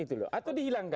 itu loh atau dihilangkan